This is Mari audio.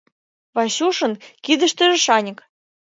Васюшын кидыштыже шаньык.